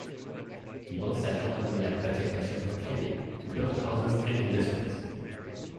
People settled on the land purchased by Sheffield Kenyon and built houses and industries.